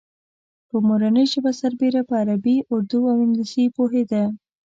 په مورنۍ ژبه سربېره په عربي، اردو او انګلیسي پوهېده.